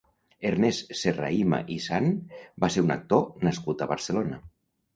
Ernest Serrahima i Sant va ser un actor nascut a Barcelona.